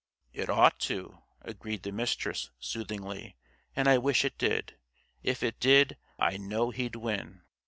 "It ought to," agreed the Mistress, soothingly, "and I wish it did. If it did, I know he'd win."